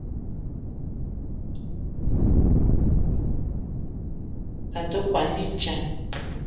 A te kwuan mintsang.